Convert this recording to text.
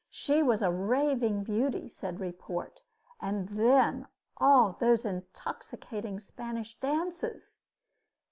She was a raving beauty, said report and then, those intoxicating Spanish dances!